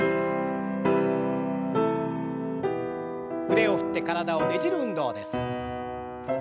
腕を振って体をねじる運動です。